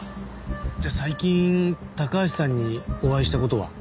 じゃあ最近高橋さんにお会いした事は？